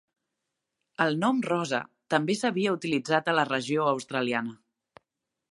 El nom Rosa també s'havia utilitzat a la regió australiana.